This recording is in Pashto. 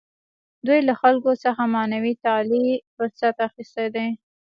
دوی له خلکو څخه معنوي تعالي فرصت اخیستی دی.